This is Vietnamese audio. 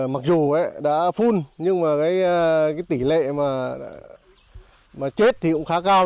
mặc dù đã phun nhưng mà cái tỷ lệ mà chết thì cũng khá cao